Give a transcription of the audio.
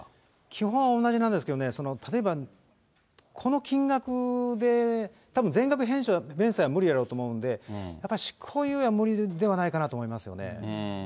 基本同じなんですけれども、例えば、この金額でたぶん、全額弁済は無理やろうと思うんで、やっぱり執行猶予は無理ではないかなと思いますよね。